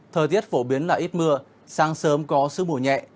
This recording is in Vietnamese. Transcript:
thời tiết phổ biến là ít mưa sáng sớm có sức mùa nhẹ